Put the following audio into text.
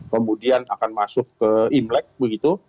kemudian akan masuk ke imlek begitu